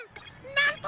なんと！？